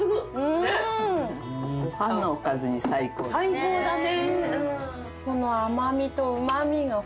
最高だね。